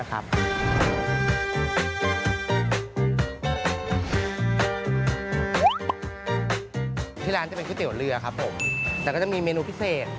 ที่ร้านจะเป็นก๋วยเตี๋ยวเรือครับผมแต่ก็จะมีเมนูพิเศษ